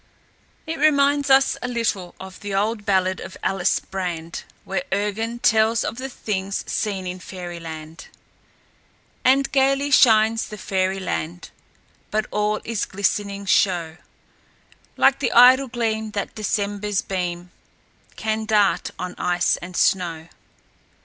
It reminds us a little of the old ballad of Alice Brand, where Urgan tells of the things seen in fairy land: "And gayly shines the Fairy land But all is glistening show, Like the idle gleam that December's beam Can dart on ice and snow.